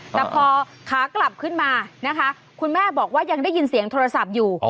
แต่พอขากลับขึ้นมานะคะคุณแม่บอกว่ายังได้ยินเสียงโทรศัพท์อยู่